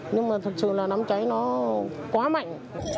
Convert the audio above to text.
nhưng mà thật sự là đám cháy nó quá mạnh